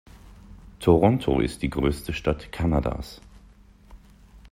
Toronto ist die größte Stadt Kanadas.